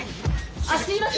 あっすいません。